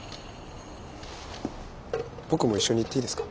僕も一緒に行っていいですか？